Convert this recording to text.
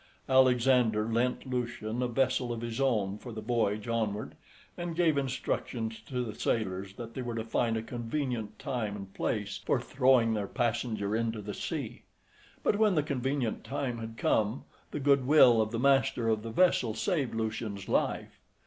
Alexander lent Lucian a vessel of his own for the voyage onward, and gave instructions to the sailors that they were to find a convenient time and place for throwing their passenger into the sea; but when the convenient time had come the goodwill of the master of the vessel saved Lucian's life.